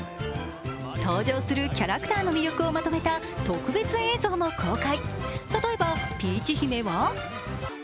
登場するキャラクターの魅力をまとめた特別映像も公開。